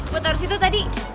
gue taruh di situ tadi